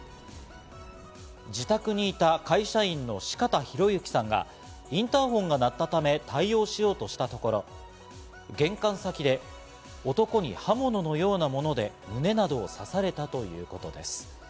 自宅にいた会社員の四方洋行さんがインターホンが鳴ったため、対応しようとしたところ、玄関先で男に刃物のようなもので胸などを刺されたということです。